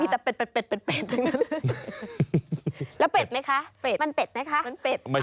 มีแต่เป็ดเป็ดทั้งนั้นเลย